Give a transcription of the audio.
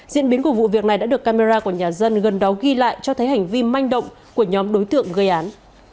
diễn biến của vụ việc này đã được camera của nhà dân gần đó ghi lại cho thấy hành vi manh động của nhóm đối tượng gây án